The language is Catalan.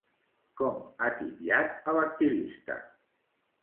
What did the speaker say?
Com ha titllat a l'activista?